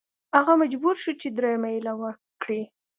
هغه مجبور شو چې دریمه هیله وکړي.